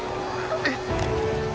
えっ！？